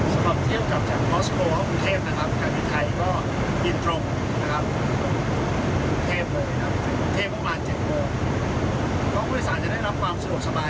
ส่วนเครื่องที่ให้บริการการบินไทยเลือกใช้เครื่องบินไทย